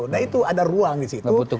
nah itu ada ruang disitu